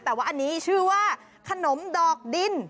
แต่ว่าอันนี้ชื่อว่าขนมดอกดิน